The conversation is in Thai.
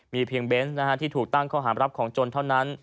มีเพียงเบนส์ที่ถูกตั้งข้อหารับของจนเท่านั้น